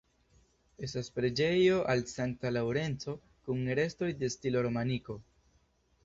Estas preĝejo al Sankta Laŭrenco kun restoj de stilo romaniko.